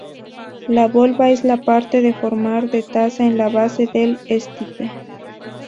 La volva es la parte con forma de taza en la base del estipe.